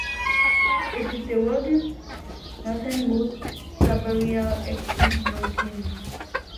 It is the world's northernmost subaerial active volcano.